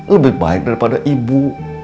lebih baik daripada ibu